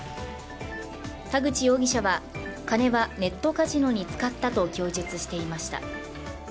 田口容疑者は、金はネットカジノに使ったと供述していました。